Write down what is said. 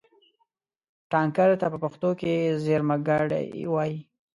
ټانکر ته په پښتو کې زېرمهګاډی وایي.